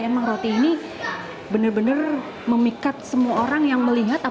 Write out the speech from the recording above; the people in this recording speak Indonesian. emang roti ini benar benar memikat semua orang yang melihat